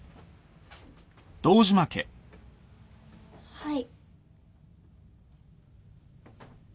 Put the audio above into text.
はい。